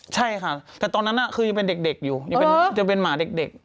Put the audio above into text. ใช่ค่ะแต่ตอนนั้นคือยังเป็นเด็กอยู่ยังเป็นหมาเด็ก